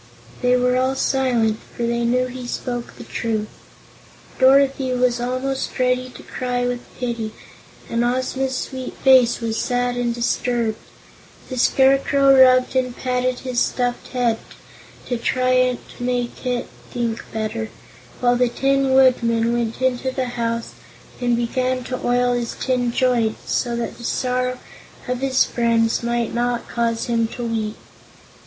They were all silent, for they knew he spoke the truth. Dorothy was almost ready to cry with pity and Ozma's sweet face was sad and disturbed. The Scarecrow rubbed and patted his stuffed head to try to make it think better, while the Tin Woodman went into the house and began to oil his tin joints so that the sorrow of his friends might not cause him to weep.